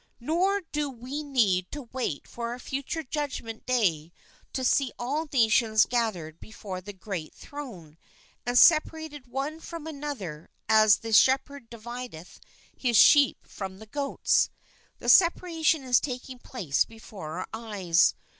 Nor do we need to wait for a future judgment day to see all nations gathered before the great Throne, and separated one from another as the In shepherd divideth his sheep from the goats. The separation is taking place before our eyes.